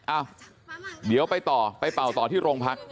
อ้าวเดี๋ยวไปต่อไปเป่าต่อที่โรงพัก